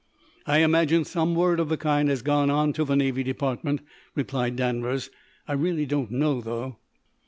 "I imagine some word of the kind has gone on to the Navy Department," replied Danvers, "I really don't know though."